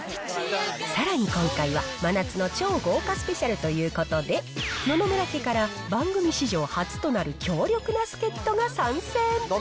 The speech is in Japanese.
さらに今回は真夏の超豪華スペシャルということで、野々村家から、番組史上初となる強力な助っ人が参戦。